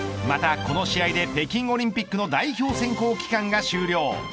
また、この試合で北京オリンピックの代表選考期間が終了。